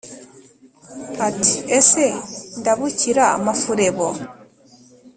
ati :ese ndabukira-mafurebo,